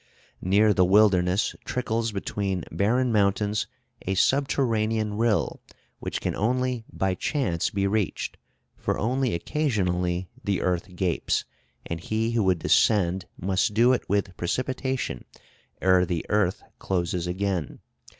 "Near the wilderness trickles between barren mountains a subterranean rill, which can only by chance be reached, for only occasionally the earth gapes, and he who would descend must do it with precipitation, ere the earth closes again.